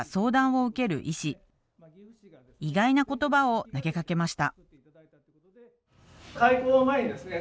意外な言葉を投げかけました。